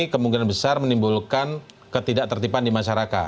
kemungkinan besar menimbulkan ketidak tertipan di masyarakat